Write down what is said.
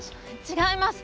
違います。